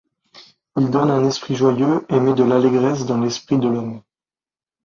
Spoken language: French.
Il donne un esprit joyeux et met de l'allégresse dans l'esprit de l'homme.